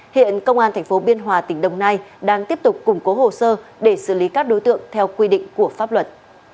hiện công an tp biên hòa tỉnh đồng nai đang tiếp tục củng cố hồ sơ để xử lý các đối tượng theo quy định của pháp luật